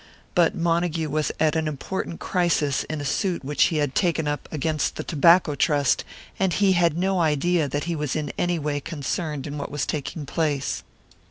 But Montague was at an important crisis in a suit which he had taken up against the Tobacco Trust; and he had no idea that he was in any way concerned in what was taking place.